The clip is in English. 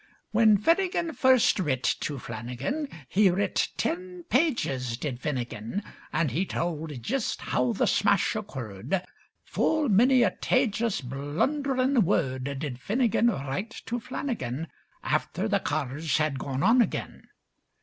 Whin Finnigin furst writ to Flannigan, He writed tin pages did Finnigin, An' he tould jist how the smash occurred; Full minny a tajus, blunderin' wurrd Did Finnigin write to Flannigan Afther the cars had gone on ag'in.